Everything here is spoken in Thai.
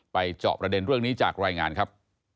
จอบประเด็นเรื่องนี้จากรายงานครับ